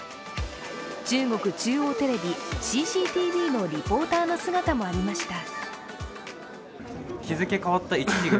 中国中央テレビ＝ＣＣＴＶのリポーターの姿もありました。